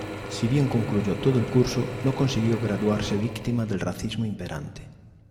Si bien concluyó todo el curso, no consiguió graduarse víctima del racismo imperante.